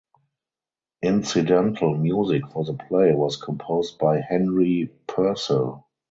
Incidental music for the play was composed by Henry Purcell.